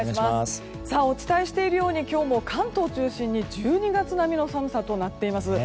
お伝えしているように今日も関東を中心に１２月並みの寒さとなっています。